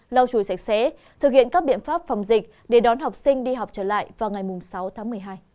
lau chùi sạch sẽ thực hiện các biện pháp phòng dịch để đón học sinh đi học trở lại vào ngày sáu tháng một mươi hai